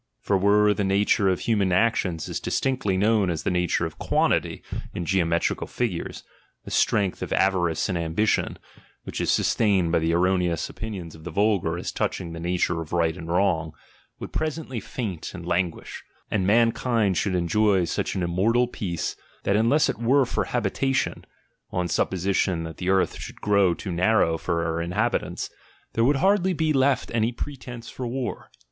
For were the nature of human actions as distinctly known as the nature of quantity in geometrical figures, the strength of avarice and ambition, which is sustained by the erroneous opinions of the vulgar as touching the nature of right and wrong, would presently faint and languish ; and mankind should enjoy such an immortal peace, that unless it were for habitation, on supposition that the earth should grow too narrow for her inhabitants, there w^ould hardly be left any pretence for war.